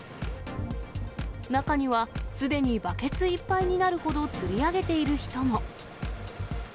中には、すでにバケツいっぱいになるほど釣り上げている人も。